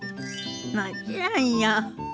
もちろんよ。